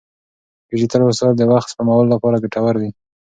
ډیجیټل وسایل د وخت سپمولو لپاره ګټور دي.